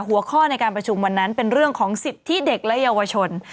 หัวข้อในการประชุมวันนั้นเป็นเรื่องของสิทธิเด็กและเยาวชน